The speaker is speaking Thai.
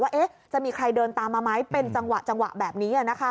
ว่าจะมีใครเดินตามมาไหมเป็นจังหวะจังหวะแบบนี้